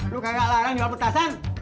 lu kagak larang jualan petasan